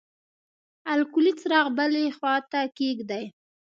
الکولي څراغ بلې ګوښې ته کیږدئ.